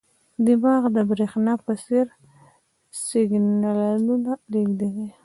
دماغ د برېښنا په څېر سیګنالونه لېږدوي.